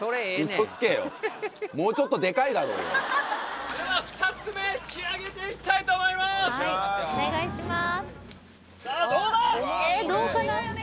もうちょっとデカいだろうよでは２つ目引きあげていきたいと思いますお願いします